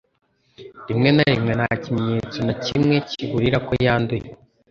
rimwe na rimwe nta kimenyetso na kimwe kiburira ko yanduye